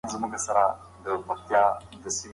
ایا داسې څوک شته چې زما خاموشه غږ واوري؟